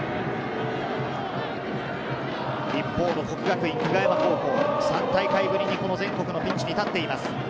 一方の國學院久我山高校、３大会ぶりにこの全国のピッチに立っています。